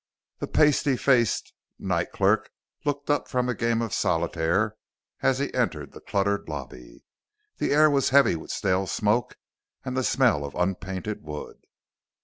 The pasty faced night clerk looked up from a game of solitaire as he entered the cluttered lobby. The air was heavy with stale smoke and the smell of unpainted wood.